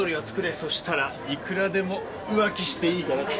そしたらいくらでも浮気していいからって。